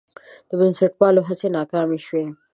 د بنسټپالو هڅې ناکامې شوې.